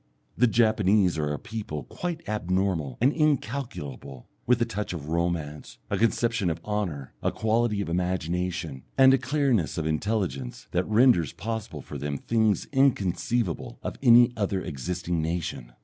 The Japanese are a people quite abnormal and incalculable, with a touch of romance, a conception of honour, a quality of imagination, and a clearness of intelligence that renders possible for them things inconceivable of any other existing nation.